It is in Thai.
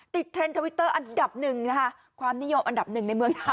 เทรนด์ทวิตเตอร์อันดับหนึ่งนะคะความนิยมอันดับหนึ่งในเมืองไทย